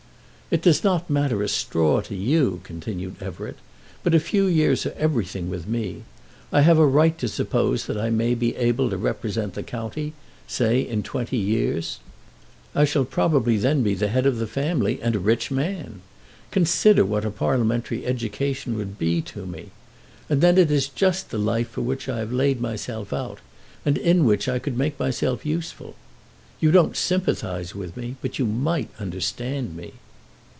"It does not matter a straw to you," continued Everett. "But a few years are everything with me. I have a right to suppose that I may be able to represent the county, say in twenty years. I shall probably then be the head of the family and a rich man. Consider what a parliamentary education would be to me! And then it is just the life for which I have laid myself out, and in which I could make myself useful. You don't sympathise with me, but you might understand me."